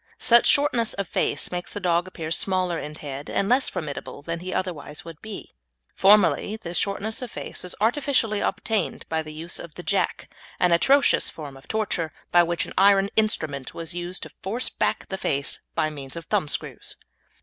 Such shortness of face makes the dog appear smaller in head and less formidable than he otherwise would be. Formerly this shortness of face was artificially obtained by the use of the "jack," an atrocious form of torture, by which an iron instrument was used to force back the face by means of thumbscrews.